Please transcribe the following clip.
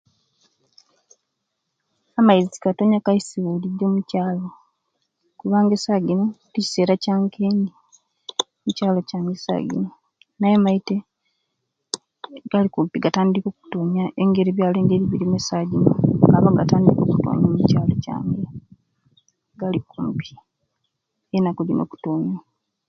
Amaizi tigatonya Kaisi be mukyalo kubanga esawa jino tikisera kyankendi mukyalo kyange esawa gino naye maite gali kumpi okutonya engeri ebyalo ebirimu esawa gino gaba gatandika okutonya mukyalo kyange gala kumpi enaku gino okutonya